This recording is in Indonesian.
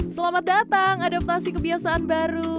selamat datang adaptasi kebiasaan baru